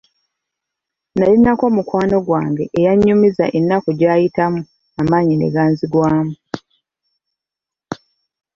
Nnalinako mukwano gwange eyanyumiza ennaku gy'ayiyamu amaanyi ne ganzigwamu.